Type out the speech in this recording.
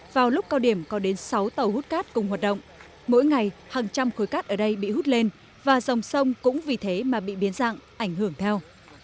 vào lúc cao điểm có đến sáu tàu hút cát cùng hoạt động mỗi ngày hàng trăm khối cát ở đây bị hút lên và dòng sông cũng vì thế mà bị biến dạng ảnh hưởng theo